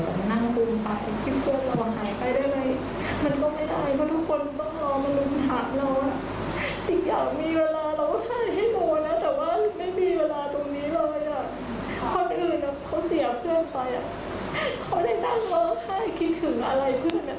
คนอื่นเขาเสียเพื่อนไปเขาได้นั่งว้างค่ายคิดถึงอะไรเพื่อน